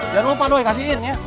jangan lupa kasihin ya